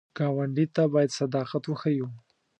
ګاونډي ته باید صداقت وښیو